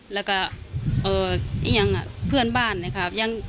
และกับเพื่อนบ้านนะครับ